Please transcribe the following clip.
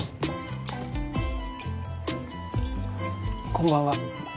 こんばんは。